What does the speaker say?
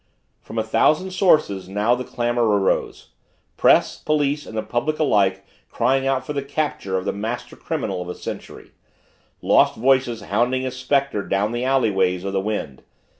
From a thousand sources now the clamor arose press, police, and public alike crying out for the capture of the master criminal of a century lost voices hounding a specter down the alleyways of the wind.